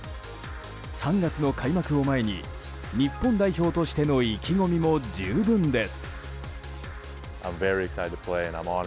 ３月の開幕を前に日本代表としての意気込みも十分です。